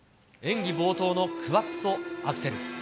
演技冒頭のクアッドアクセル。